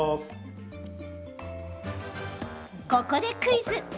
ここでクイズ！